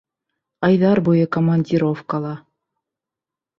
Айҙар буйы командировкала.